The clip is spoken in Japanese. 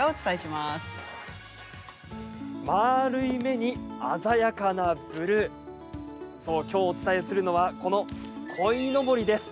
まあるい目に鮮やかなブルーそう、きょうお伝えするのはこの、鯉のぼりです。